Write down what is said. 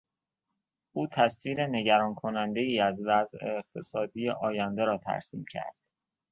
او تصویر نگران کنندهای از وضع اقتصادی آینده را ترسیم کرد.